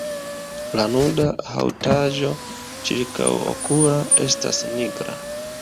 La nuda haŭtaĵo ĉirkaŭokula estas nigra.